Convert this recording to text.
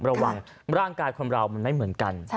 ระวังร่างกายคนเรามันไม่เหมือนกัน